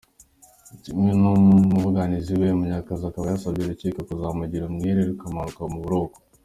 Kimwe n’umwunganizi we, Munyakazi akaba yasabye urukiko kuzamugira umwere rukamukura mu buroko.